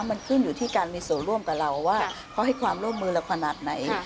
มันขึ้นอยู่ที่การมีส่วนร่วมกับเราว่าเขาให้ความร่วมมือเราขนาดไหน